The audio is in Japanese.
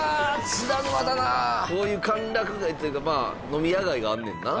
津田沼だなこういう歓楽街っていうか飲み屋街があんねんな？